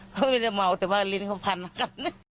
เขาไม่ใช่เมาแต่ว่าลิ้นเขาพันละกัน